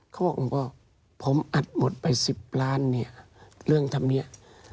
เขาบอกว่าผมอัดหมดไป๑๐ล้านเนี่ยเรื่องธรรมเนีย